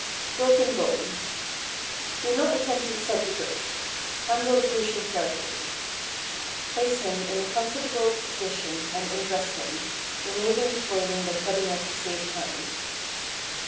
=Broken Bones.= Do not attempt to set the break. Handle the patient carefully. Place him in a comfortable position and undress him, removing the clothing by cutting it to save time.